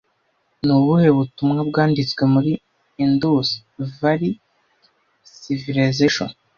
Ni ubuhe butumwa bwanditswe muri Indus Valley Civilisation